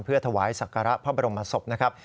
เพื่อถวายศักระพระบรมศพนะครับ